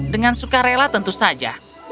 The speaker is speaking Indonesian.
dengan sukarela tentu saja